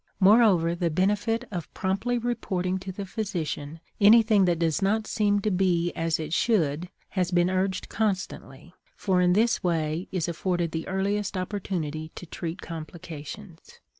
Moreover, the benefit of promptly reporting to the physician anything that does not seem to be as it should has been urged constantly, for in this way is afforded the earliest opportunity to treat complications.